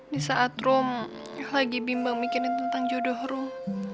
di saat rum lagi bimbang mikirin tentang jodoh rum